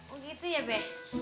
oh gitu ya be